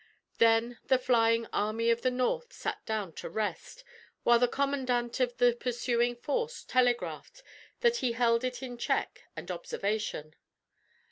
Then the flying Army of the North sat down to rest, while the commandant of the pursuing force telegraphed that he held it in check and observation.